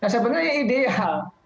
sebenarnya ini ideal